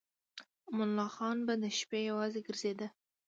امان الله خان به د شپې یوازې ګرځېده.